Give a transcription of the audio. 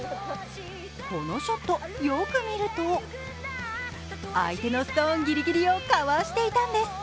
このショット、よく見ると相手のストーンぎりぎりをかわしていたんです。